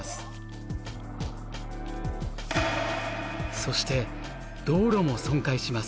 そして道路も損壊します。